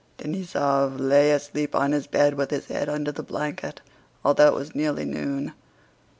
Denísov lay asleep on his bed with his head under the blanket, though it was nearly noon.